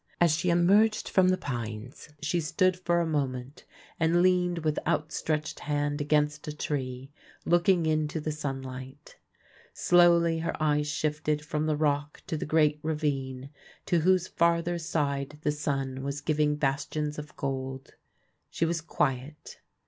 As she emerged from the pines, she stood for a moment, and leaned with outstretched hand against a tree, look ing into the sunlight. Slowly her eyes shifted from the Rock to the great ravine, to whose farther side the sun was giving bastions of gold. She was quiet.